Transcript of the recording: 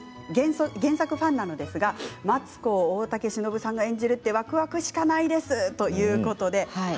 原作ファンなのですが松子を大竹しのぶさんが演じるとわくわくしかないです。